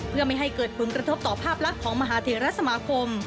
เพื่อไม่ให้เกิดผลกระทบต่อภาพลักษณ์ของมหาเทรสมาคม